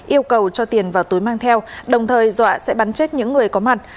yêu cầu cho tiền vào túi mang theo đồng thời dọa sẽ bắn chết những người có mặt